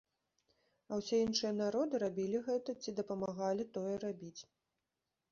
А ўсе іншыя народы рабілі гэта ці дапамагалі тое рабіць.